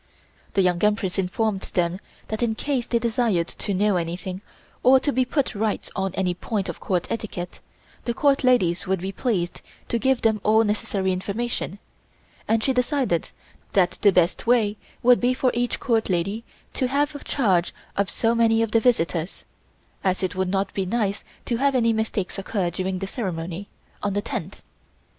The Young Empress informed them that in case they desired to know anything or to be put right on any point of Court etiquette, the Court ladies would be pleased to give them all necessary information and she decided that the best way would be for each Court lady to have charge of so many of the visitors, as it would not be nice to have any mistakes occur during the ceremony, on the tenth.